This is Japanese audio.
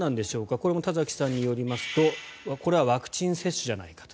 これも田崎さんによりますとワクチン接種じゃないかと。